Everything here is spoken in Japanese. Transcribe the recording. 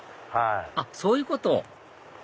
あっそういうこと！